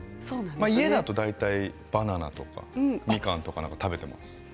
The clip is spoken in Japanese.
家だと大体バナナとかみかんとか食べてます。